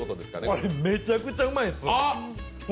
これ、めちゃくちゃうまいです。